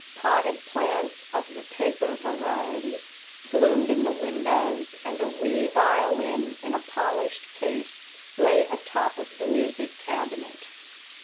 Potted plants of the paper variety bloomed in the windows and a wee violin in a polished case lay atop of the music cabinet.